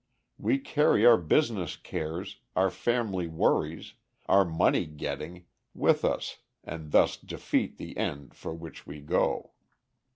We carry our business cares, our family worries, our money getting, with us and thus defeat the end for which we go.